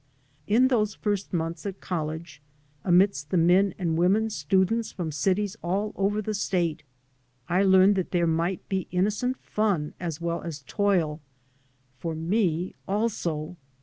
In those first months at college, amidst the men and women students from cities all over the state, I learned that there might be inno cent fun as well as toil — for me also.